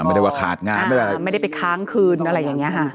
ไม่ได้ว่าขาดงานไม่ได้ไปค้างคืนอะไรอย่างเงี้ยฮะ